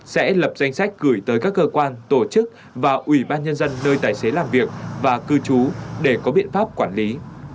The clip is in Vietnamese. sẽ lập danh sách gửi tới các cơ quan tổ chức và ủy ban nhân dân nơi tài xế làm việc và cư trú để có biện pháp quản lý